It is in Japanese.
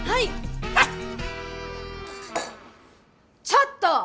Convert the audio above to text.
ちょっと！